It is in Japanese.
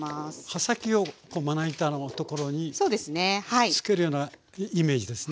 刃先をまな板のところにつけるようなイメージですね。